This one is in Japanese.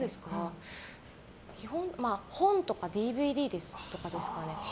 本とかＤＶＤとかですかね。